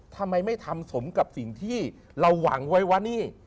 ทำไมไม่ทำสมกับสิ่งที่เราหวังไว้ว่านี่